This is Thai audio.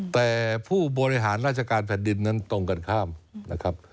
แต่ผู้บริหารราชการแผ่นดินนั้นตรงกันข้ามนะครับ